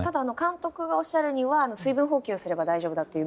監督がおっしゃるには水分補給すれば大丈夫だという。